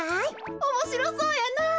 おもしろそうやなあ。